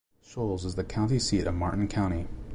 Shoals is the county seat of Martin County.